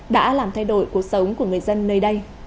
đã làm thay đổi cuộc sống của người dân nơi đây